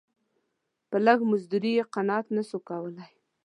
په لږ مزدوري یې قناعت نه سو کولای.